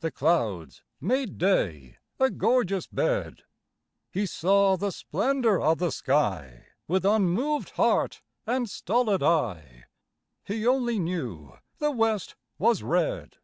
The clouds made day a gorgeous bed; He saw the splendour of the sky With unmoved heart and stolid eye; He only knew the West was red.